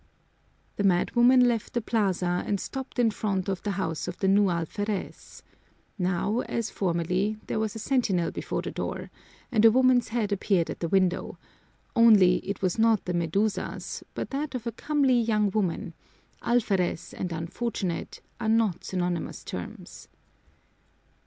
The madwoman left the plaza and stopped in front of the house of the new alferez. Now, as formerly, there was a sentinel before the door, and a woman's head appeared at the window, only it was not the Medusa's but that of a comely young woman: alferez and unfortunate are not synonymous terms.